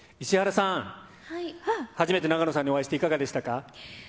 石原さん、初めて永野さんにお会いして、いかがでしたか？